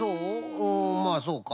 うんまあそうか。